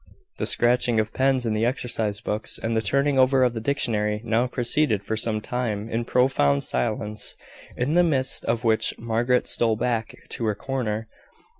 The scratching of pens in the exercise books, and the turning over of the dictionary, now proceeded for some time in profound silence, in the midst of which Margaret stole back to her corner.